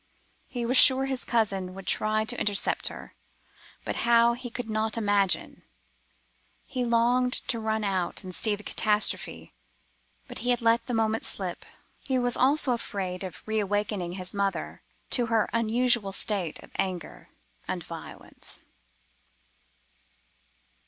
He was sure his cousin would try to intercept her; but how, he could not imagine. He longed to run out and see the catastrophe,—but he had let the moment slip; he was also afraid of reawakening his mother to her unusual state of anger and violence."